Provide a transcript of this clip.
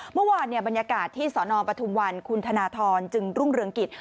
เมื่อวานบรรยากาศที่สนปทุมวันคุณธนทรจึงรุ่งเรืองกิจ